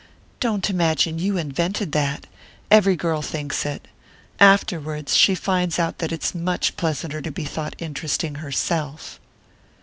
"Don't imagine you invented that! Every girl thinks it. Afterwards she finds out that it's much pleasanter to be thought interesting herself."